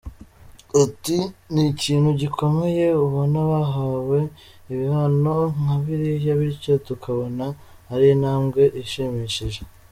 Ati “Ni ikintu gikomeye ubona bahawe ibihano nka biriya bityo tukabona ari intambwe ishimishije”.